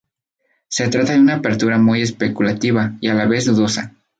Se trata de una apertura muy especulativa y a la vez dudosa.